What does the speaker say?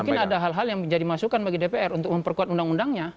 mungkin ada hal hal yang menjadi masukan bagi dpr untuk memperkuat undang undangnya